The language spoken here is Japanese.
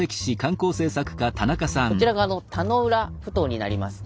こちらが田野浦ふ頭になります。